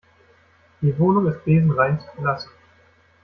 Die Wohnung ist besenrein zu verlassen.